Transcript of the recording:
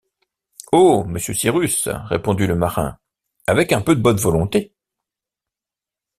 Oh! monsieur Cyrus, répondit le marin, avec un peu de bonne volonté !..